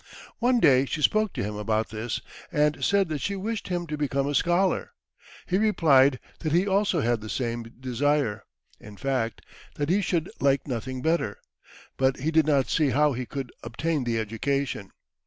One day she spoke to him about this, and said that she wished him to become a scholar. He replied that he also had the same desire in fact, that he should like nothing better but he did not see how he could obtain the education.